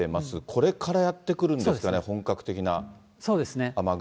これからやって来るんですかね、そうですね。